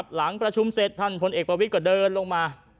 หลังประชุมเสร็จท่านพลเอกประวิทย์ก็เดินลงมา